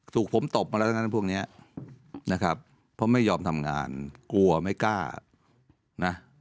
ถูกผมตบมาแล้วนะพวกนี้นะครับเพราะไม่ยอมทำงานกลัวไม่กล้านะ